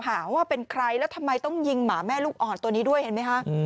หาว่าเป็นใครแล้วทำไมต้องยิงหมาแม่ลูกอ่อนตัวนี้ด้วยเห็นไหมคะ